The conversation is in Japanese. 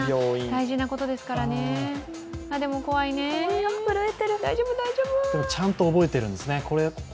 大事なことですからねでも怖いねちゃんと覚えてるんですね。